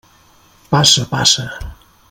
Passa, passa.